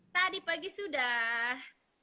tadi pagi sudah